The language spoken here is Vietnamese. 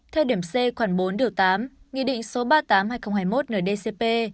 theo điểm c khoảng bốn điều tám nghị định số ba mươi tám hai nghìn hai mươi một ndcp